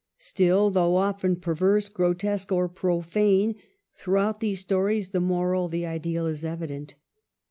Still, though often perverse, grotesque, or profane, throughout these stories the Moral, the Ideal, is evident.